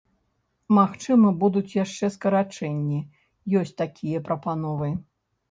Магчыма, будуць яшчэ скарачэнні, ёсць такія прапановы.